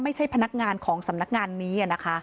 ไม่ใช่พนักงานของสำนักงานนี้